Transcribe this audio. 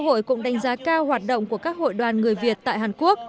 hội cũng đánh giá cao hoạt động của các hội đoàn người việt tại hàn quốc